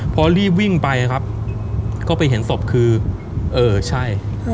พอรีบวิ่งไปครับก็ไปเห็นศพคือเออใช่